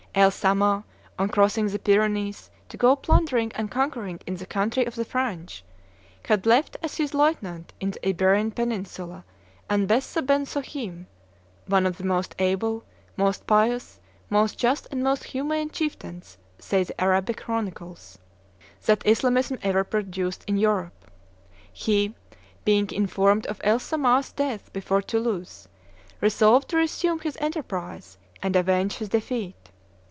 El Samah, on crossing the Pyrenees to go plundering and conquering in the country of the Frandj, had left as his lieutenant in the Iberian peninsula Anbessa ben Sohim, one of the most able, most pious, most just, and most humane chieftains, say the Arab chronicles, that Islamism ever produced in Europe. He, being informed of El Samah's death before Toulouse, resolved to resume his enterprise and avenge his defeat.